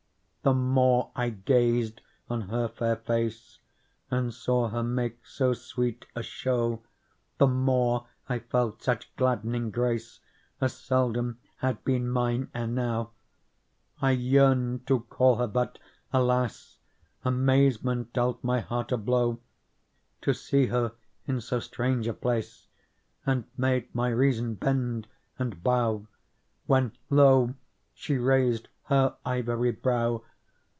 The more I gazed on her fair face. And saw her make so sweet a show. The more I felt such gladdening grace As seldom had been mine ere now. I yearned to call her, but, alas ! Amazement dealt my heart a blow To see her in so strange a place. And made my reason bend and bow. When lo ! she raised her ivory brow.